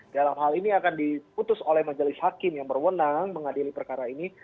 dalam hal ini akan diputus oleh majelis hakim yang berwenang mengadili perkara ini